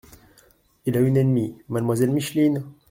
Il a une ennemie : mademoiselle Micheline !